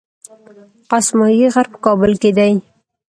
اسمايي غر په کابل کې دی